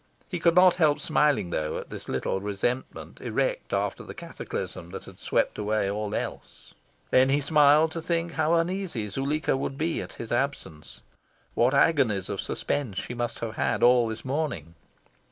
He could not help smiling, though, at this little resentment erect after the cataclysm that had swept away all else. Then he smiled to think how uneasy Zuleika would be at his absence. What agonies of suspense she must have had all this morning!